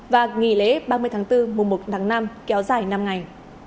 và nghỉ lễ ba mươi tháng bốn mùa một tháng năm kéo dài năm ngày